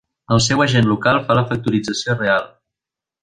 El seu agent local fa la factorització real.